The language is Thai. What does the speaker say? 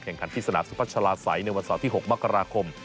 แข่งขันที่สนามสุพัชลาศัยในวันเสาร์ที่๖มกราคม